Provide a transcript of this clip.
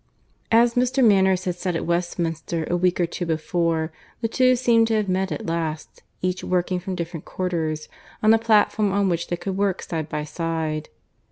As Mr. Manners had said at Westminster a week or two before, the two seemed to have met at last, each working from different quarters, on a platform on which they could work side by side.